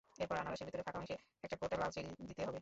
এরপর আনারসের ভেতরের ফাঁকা অংশে একটা গোটা লাল চেরি দিতে হবে।